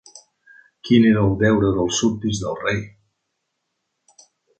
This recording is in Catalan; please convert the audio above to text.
Quin era el deure dels súbdits del rei?